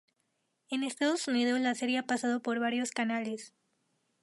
En Estados Unidos la serie ha pasado por varios canales.